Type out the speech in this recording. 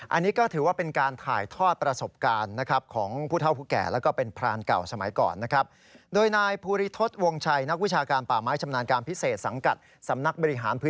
อันนี้ก็ถือว่าเป็นการถ่ายทอดประสบการณ์นะครับ